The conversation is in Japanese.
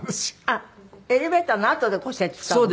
あっエレベーターのあとで骨折したの？